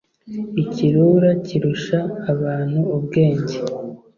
ikirura kirusha abantu ubwenge.